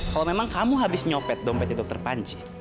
kalau memang kamu habis nyepet dompetnya dokter panji